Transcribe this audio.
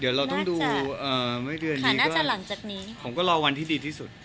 เอ่อเดี๋ยวเราต้องดูไม่เดือนนี้ก็ผมก็รอวันที่ดีที่สุด